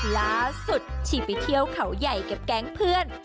ล่าสุดฉี่ไปเที่ยวเขาใหญ่กับแก๊งเพื่อน